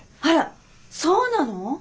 あらそうなの？